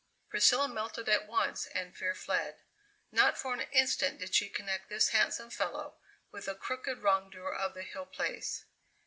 Priscilla melted at once and fear fled. Not for an instant did she connect this handsome fellow with the crooked wrongdoer of the Hill Place.